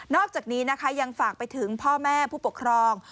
อกจากนี้นะคะยังฝากไปถึงพ่อแม่ผู้ปกครอง